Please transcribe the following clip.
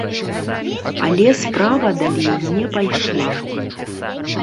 Але справа далей не пайшла.